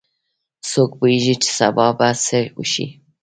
څوک پوهیږي چې سبا به څه وشي